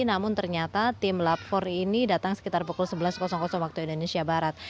namun ternyata tim lab empat ini datang sekitar pukul sebelas waktu indonesia barat